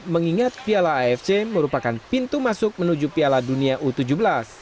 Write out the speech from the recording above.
mengingat piala afc merupakan pintu masuk menuju piala dunia u tujuh belas